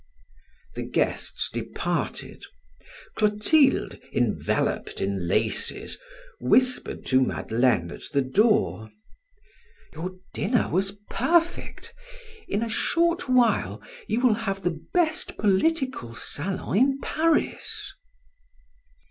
The guests departed. Clotilde, enveloped in laces, whispered to Madeleine at the door: "Your dinner was perfect. In a short while you will have the best political salon in Paris."